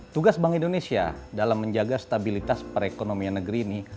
tugas bank indonesia dalam menjaga stabilitas perekonomian negeri ini